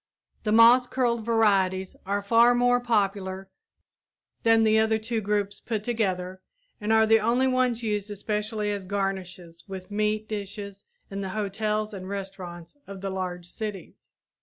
The moss curled varieties are far more popular than the other two groups put together and are the only ones used especially as garnishes with meat dishes in the hotels and restaurants of the large cities.